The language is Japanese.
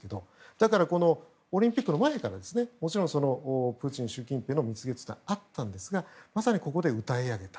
だからオリンピックの前からもちろん、プーチン、習近平の蜜月というのはあったんですがまさにここでうたい上げた。